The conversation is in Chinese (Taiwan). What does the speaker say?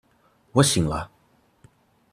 我醒了